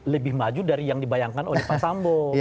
lebih maju dari yang dibayangkan oleh pak sambo